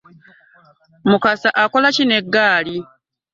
Musa akola ki n'eggaali?